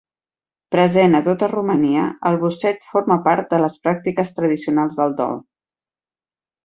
Present a tota Romania, el bocet forma part de les pràctiques tradicionals del dol.